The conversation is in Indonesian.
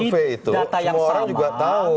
data yang sama